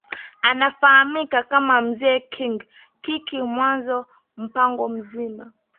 Anafahamika kama Mzee King Kikii Mwanza mpango mzima